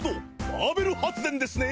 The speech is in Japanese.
バーベル発電ですね。